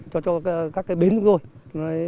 cho các cái bến thôi